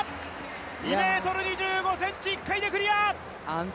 ２ｍ２５ｃｍ、１回でクリア！